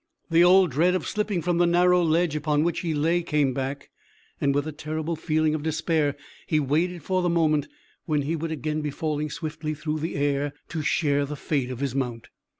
The old dread of slipping from the narrow ledge upon which he lay came back, and with a terrible feeling of despair he waited for the moment when he would again be falling swiftly through the air to share the fate of his mount.